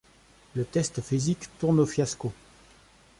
Le test physique tourne au fiasco.